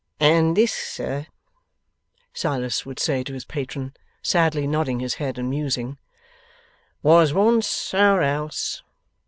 'And this, sir,' Silas would say to his patron, sadly nodding his head and musing, 'was once Our House!